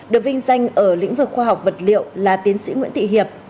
được vinh danh ở lĩnh vực khoa học vật liệu là tiến sĩ nguyễn thị hiệp